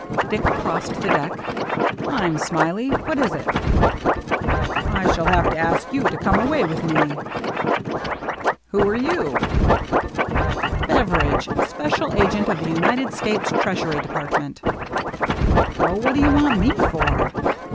Dick crossed the deck. "Fm Smiley. What is it?" 210 THE MERRT ANNE " I shall have to ask you to come away with me." "Who are you?" X " Beveridge, special agent of the United States Treasury Department." " Well, what do you want me for